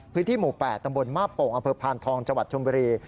พื้นที่หมู่๘ตำบลมาปลงอเผิกพานทองจวัตรชมบิรี